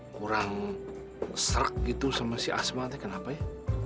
kurang serak gitu sama si asma tuh kenapa ya